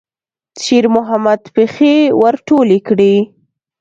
شېرمحمد پښې ور ټولې کړې.